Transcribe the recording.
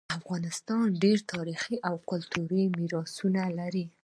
افغانستان ډیر تاریخي او کلتوری میراثونه لري